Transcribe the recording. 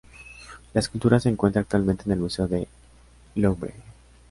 La escultura se encuentra actualmente en el Museo del Louvre.